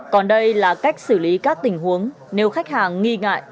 còn đây là cách xử lý các tình huống nếu khách hàng nghi ngại